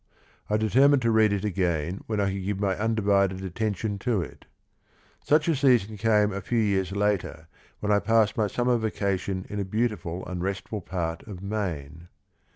I determined to read it again when I could give my undivided attention to it. Such a season came a few years later when I passed my summer vacation in a beauti ful and restful part of Maine.